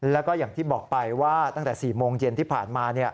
แล้วก็อย่างที่บอกไปว่าตั้งแต่๔โมงเย็นที่ผ่านมา